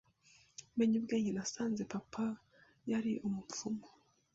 Menya ubwenge, nasanze Papa yari umupfumu,